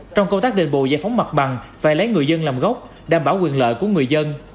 trong công tác đền bù giải phóng mặt bằng phải lấy người dân làm gốc đảm bảo quyền lợi của người dân